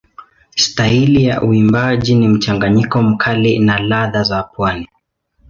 Staili ya uimbaji ni mchanganyiko mkali na ladha za pwani.